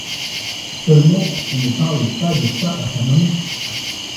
Seulement, on ne parle pas de ça à sa maman.